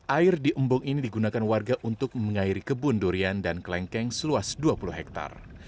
air di embung ini digunakan warga untuk mengairi kebun durian dan kelengkeng seluas dua puluh hektare